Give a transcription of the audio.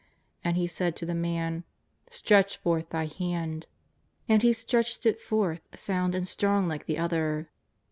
And He said to the man: " Stretch forth thy hand." And he stretched it forth sound and strong like the other.